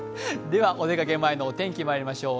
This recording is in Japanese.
ではお出かけ前のお天気にまいりましょう。